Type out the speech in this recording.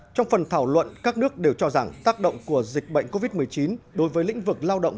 trong phần thảo luận các nước đều cho rằng tác động của dịch bệnh covid một mươi chín đối với lĩnh vực lao động